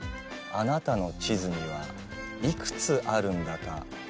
あなたの地図にはいくつあるんだか。